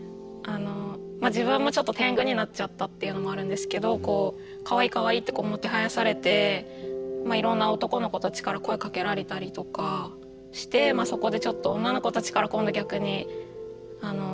自分もちょっとてんぐになっちゃったっていうのもあるんですけどかわいいかわいいってもてはやされていろんな男の子たちから声かけられたりとかしてそこでちょっと女の子たちから今度逆にあの。